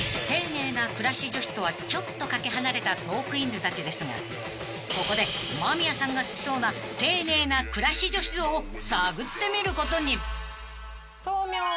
［丁寧な暮らし女子とはちょっと懸け離れたトークィーンズたちですがここで間宮さんが好きそうな丁寧な暮らし女子像を探ってみることに］